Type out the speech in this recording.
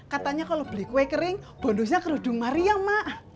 katanya kalau beli kue kering bonusnya kerudung mariam mak